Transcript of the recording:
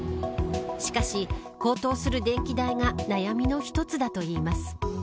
しかし、高騰する電気代が悩みの一つだといいます。